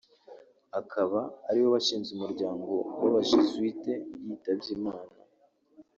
akaba ariwe washinze umuryango w’abajesuite yitabye Imana